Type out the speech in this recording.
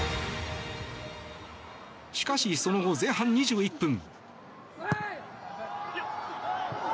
しかしその後、前半２１分。